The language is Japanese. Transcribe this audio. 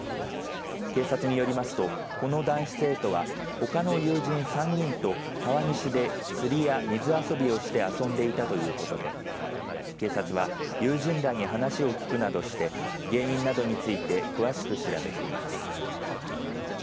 警察によりますとこの男子生徒はほかの友人３人と川岸で釣りや水遊びをして遊んでいたということで警察は友人らに話を聞くなどして原因などについて詳しく調べています。